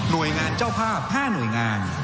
โดยงานเจ้าภาพ๕หน่วยงาน